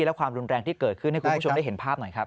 และความรุนแรงที่เกิดขึ้นให้คุณผู้ชมได้เห็นภาพหน่อยครับ